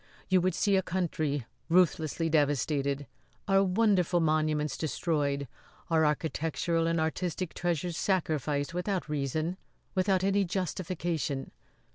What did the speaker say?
You would see a country ruthlessly devastated; our wonderful monuments destroyed; our architectural and artistic treasures sacrificed without reason without any justification."